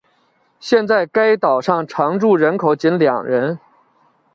现在该岛上常住人口仅两人。